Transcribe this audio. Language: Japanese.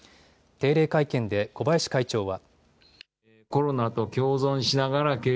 定例会見で小林会長は。